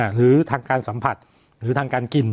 หรือทางการสัมผัสหรือทางการกิน